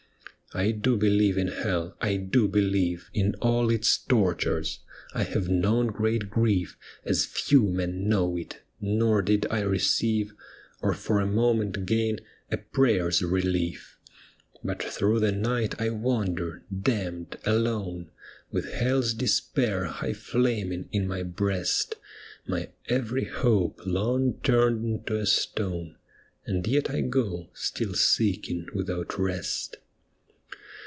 I do believe in hell, I do believe In all its tortures. I have known great grief As few men know it, nor did I receive Or for a moment gain a prayer's relief. But through the night I wander, damned, alone, With Hell's despair high flaming in my breast, My every hope long turned into a stone ; And yet I go, still seeking without rest.